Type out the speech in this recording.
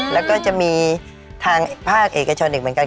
แล้วก็จะมีทางภาคเอกชนอีกเหมือนกัน